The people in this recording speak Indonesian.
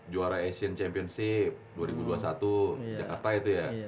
juara asian championship dua ribu dua puluh satu jakarta itu ya